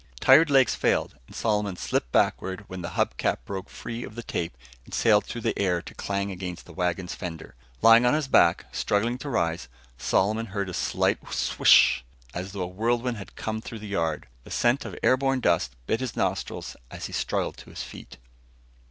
Tired legs failed and Solomon slipped backward when the hub cap broke free of the tape and sailed through the air to clang against the wagon's fender. Lying on his back, struggling to rise, Solomon heard a slight swish as though a whirlwind had come through the yard. The scent of air borne dust bit his nostrils as he struggled to his feet.